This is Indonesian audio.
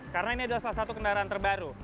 karena ini adalah salah satu kendaraan terbaru